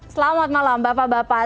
selamat malam bapak bapak